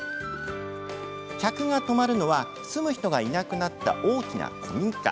客が泊まるのは、住む人がいなくなった大きな古民家。